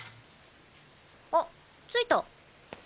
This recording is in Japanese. あっついた。